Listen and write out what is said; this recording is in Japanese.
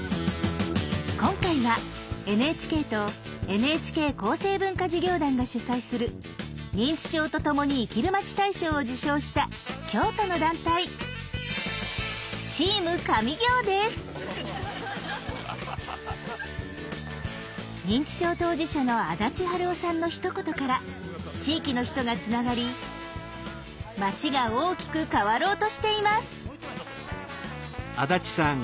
今回はＮＨＫとＮＨＫ厚生文化事業団が主催する「認知症とともに生きるまち大賞」を受賞した京都の団体認知症当事者の安達春雄さんのひと言から地域の人がつながり町が大きく変わろうとしています。